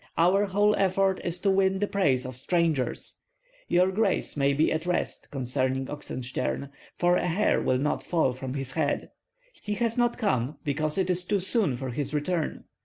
Our whole effort is to win the praise of strangers. Your grace may be at rest concerning Oxenstiern, for a hair will not fall from his head. He has not come because it is too soon for his return."